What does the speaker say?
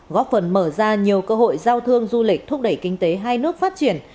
góp phần mở ra nhiều cơ hội giao thương du lịch thúc đẩy kinh tế hai nước phát triển